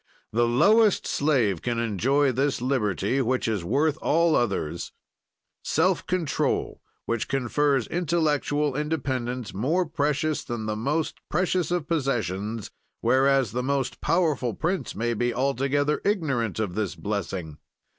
"The lowest slave can enjoy this liberty, which is worth all others: self control, which confers intellectual independence more precious than the most precious of possessions, whereas the most powerful prince may be altogether ignorant of this blessing.